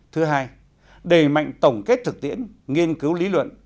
thứ hai đẩy mạnh tổng kết thực tiễn nghiên cứu lý luận